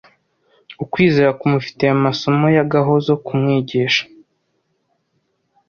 ukwizera kumufitiye amasomo y’agahozo kumwigisha